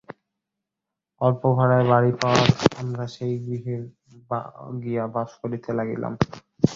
অল্প ভাড়ায় বাড়ী পাওয়ায় আমরা সেই গৃহে গিয়া বাস করিতে লাগিলাম।